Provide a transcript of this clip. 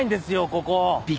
ここ！